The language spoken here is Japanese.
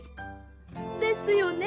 ですよね？